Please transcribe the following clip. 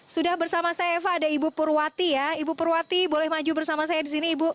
sudah bersama saya eva ada ibu purwati ya ibu purwati boleh maju bersama saya di sini ibu